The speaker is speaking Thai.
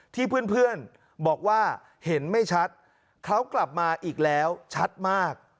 เพื่อนบอกว่าเห็นไม่ชัดเขากลับมาอีกแล้วชัดมาก